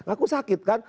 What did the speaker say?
aku sakit kan